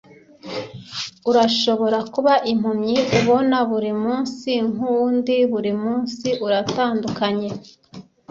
urashobora kuba impumyi ubona buri munsi nkuwundi buri munsi uratandukanye